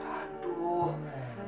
jangan rileks dulu dong